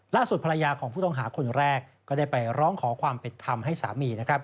ภรรยาของผู้ต้องหาคนแรกก็ได้ไปร้องขอความเป็นธรรมให้สามี